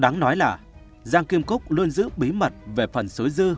đáng nói là giang kim cúc luôn giữ bí mật về phần số dư